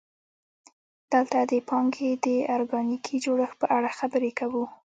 دلته د پانګې د ارګانیکي جوړښت په اړه خبرې کوو